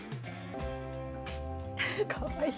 かわいい。